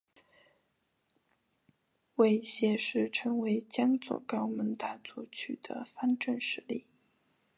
为谢氏成为江左高门大族取得方镇实力。